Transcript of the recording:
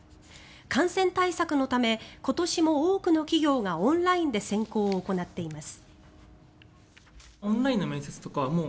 感染対策のため今年も多くの企業がオンラインで選考を行っています。